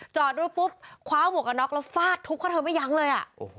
จอดดูปุ๊บคว้าหมวกกันน็อกแล้วฟาดทุกข้อเถิมให้ยั้งเลย